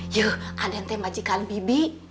yuk aden tembakan bibi